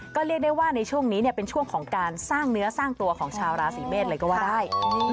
ก็เรียกได้ว่าในช่วงนี้เป็นช่วงของการสร้างเนื้อสร้างตัวของชาวราศีเมษเลยก็ว่าได้